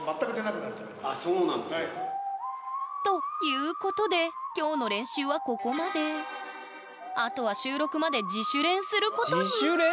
あそうなんですね。ということで今日のあとは収録まで自主練することに自主練？